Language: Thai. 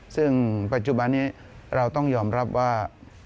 ซึ่งปัจจุบันนี้เราต้องยอมรับว่า